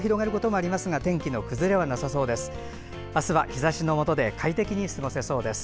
あすは日ざしのもとで快適に過ごせそうです。